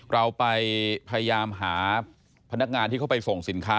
เราไปพยายามหาพนักงานที่เขาไปส่งสินค้า